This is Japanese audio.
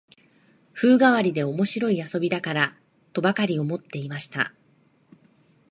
風変わりで面白い遊びだから、とばかり思っていました